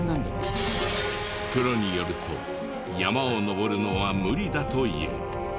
プロによると山を登るのは無理だという。